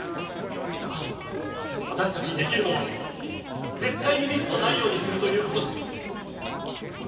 今私たちに出来るのは絶対にミスのないようにするという事です。